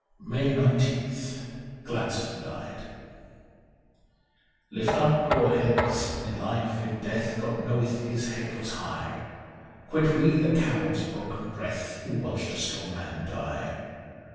^ 152 MAY 19th GLADSTONE DIED LIFT up your heads : in life, in death, _/ God knoweth his head was high ; Quit we the coward's broken breath . Who watched a strong man die.